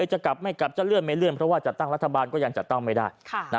จะกลับไม่กลับจะเลื่อนไม่เลื่อนเพราะว่าจัดตั้งรัฐบาลก็ยังจัดตั้งไม่ได้